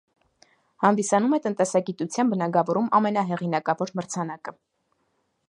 Հանդիսանում է տնտեսագիտության բնագավառում ամենահեղինակավոր մրցանակը։